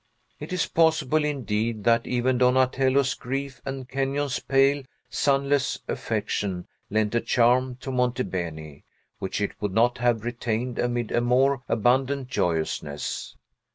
It is possible, indeed, that even Donatello's grief and Kenyon's pale, sunless affection lent a charm to Monte Beni, which it would not have retained amid a more abundant joyousness.